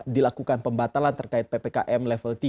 dilakukan pembatalan terkait ppkm level tiga